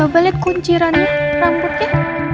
coba liat kuncirannya rambutnya